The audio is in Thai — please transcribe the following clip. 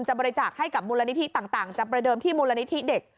บริจาคให้กับมูลนิธิต่างจะประเดิมที่มูลนิธิเด็ก